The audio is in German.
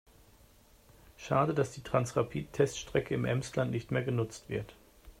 Schade, dass die Transrapid-Teststrecke im Emsland nicht mehr genutzt wird.